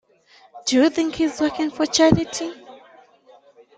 Do you think he's working for charity?